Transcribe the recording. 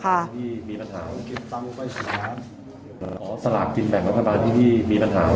เก็บตำไปสิบล้านอ๋อสลากจินแบ่งรัฐบาลที่ที่มีปัญหา